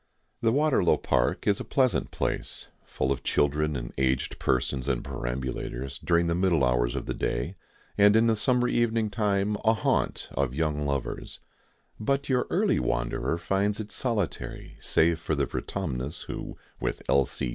The Waterlow Park is a pleasant place, full of children and aged persons in perambulators during the middle hours of the day, and in the summer evening time a haunt of young lovers; but your early wanderer finds it solitary save for Vertumnus, who, with L.